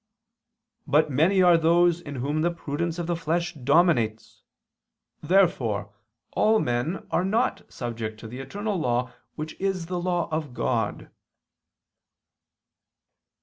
But many are those in whom the prudence of the flesh dominates. Therefore all men are not subject to the eternal law which is the law of God.